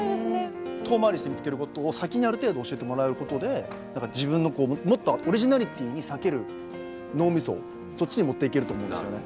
遠回りして見つけることを先にある程度教えてもらうことで自分のもっとオリジナリティーに割ける脳みそをそっちに持っていけると思うんですよね。